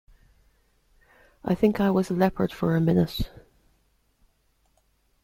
I think I was a leopard for a minute.